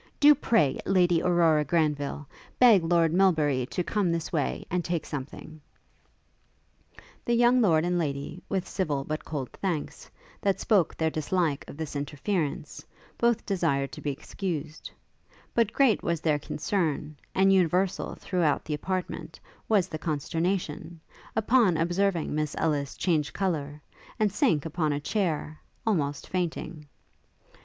Do pray, Lady Aurora Granville, beg Lord Melbury to come this way, and take something.' The young lord and lady, with civil but cold thanks, that spoke their dislike of this interference, both desired to be excused; but great was their concern, and universal, throughout the apartment, was the consternation, upon observing Miss Ellis change colour, and sink upon a chair, almost fainting.